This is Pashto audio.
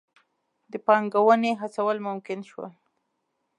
د پانګونې هڅول ممکن شول.